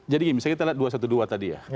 jadi misalnya kita lihat dua ratus dua belas tadi ya